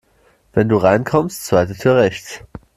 Wenn du reinkommst, zweite Tür rechts.